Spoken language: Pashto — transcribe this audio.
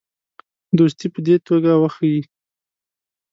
دوستي په دې توګه وښیي.